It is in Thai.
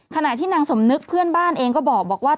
ขณะที่นางสมนึกเพื่อนบ้านเองก็บอกว่า